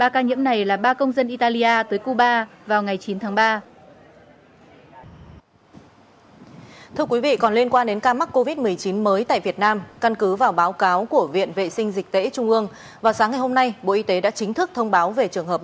ba ca nhiễm này là ba công dân italia tới cuba vào ngày chín tháng ba